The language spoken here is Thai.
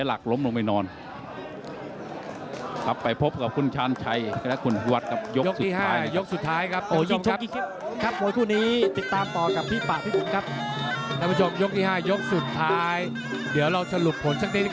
โอ้โหโดนกดหัวแบบนี้เสียทรงเลย